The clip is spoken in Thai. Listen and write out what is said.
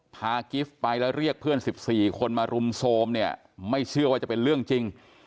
กิฟต์ไปแล้วเรียกเพื่อน๑๔คนมารุมโทรมเนี่ยไม่เชื่อว่าจะเป็นเรื่องจริง